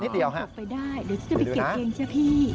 ไปได้เดี๋ยวจะไปเก็บเย็นเจ้าพี่